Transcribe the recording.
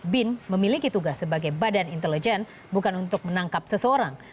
bin memiliki tugas sebagai badan intelijen bukan untuk menangkap seseorang